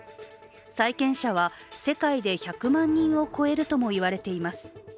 債権者は世界で１００万人を超えるともいわれています。